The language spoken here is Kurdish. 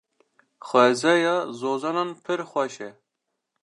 Xwezaya zozanan pir xweş e.